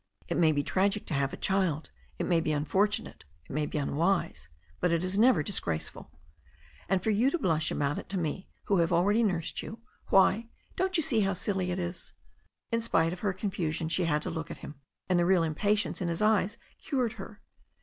It may be tragic to have a child, it may be unfortunate, it may be unwise, but it is never disgraceful. l6o THE STORY OF A NEW ZEALAND RIVER And for you to blush about it to me, who have already nursed you — why, don't you see how silly it is?" In spite of her confusion she had to look at him, and the real impatience in his eyes cured her.